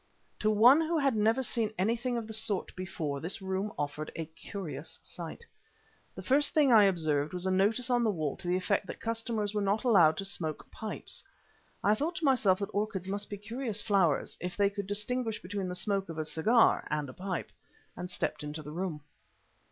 To one who had never seen anything of the sort before, this room offered a curious sight. The first thing I observed was a notice on the wall to the effect that customers were not allowed to smoke pipes. I thought to myself that orchids must be curious flowers if they could distinguish between the smoke of a cigar and a pipe, and stepped into the room.